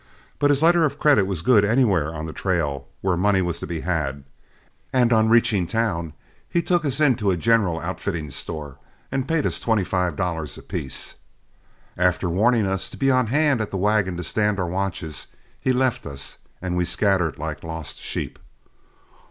But his letter of credit was good anywhere on the trail where money was to be had, and on reaching town, he took us into a general outfitting store and paid us twenty five dollars apiece. After warning us to be on hand at the wagon to stand our watches, he left us, and we scattered like lost sheep.